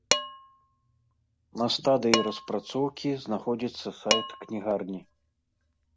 На стадыі распрацоўкі знаходзіцца сайт кнігарні.